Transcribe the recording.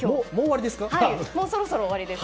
そろそろ終わりです。